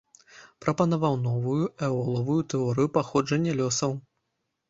Прапанаваў новую эолавую тэорыю паходжання лёсаў.